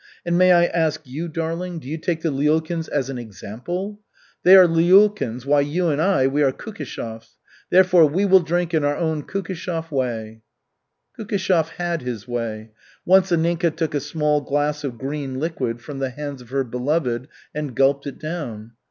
"And may I ask you, darling, do you take the Lyulkins as an example? They are Lyulkins, while you and I, we are Kukishevs. Therefore we will drink in our own Kukishev way." Kukishev had his way. Once Anninka took a small glass of green liquid from the hands of her "beloved" and gulped it down.